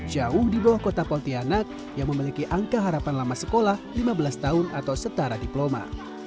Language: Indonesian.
jauh di bawah kota pontianak yang memiliki angka harapan lama sekolah lima belas tahun atau setara diploma